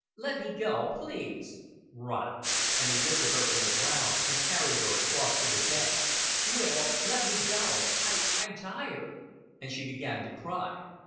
"Let me go please." "Rot!" And he lifted her from the ground, and carried her across to the bed. "Will let me go. I I'm tired;" and she began to cry.